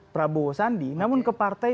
prabowo sandi namun ke partai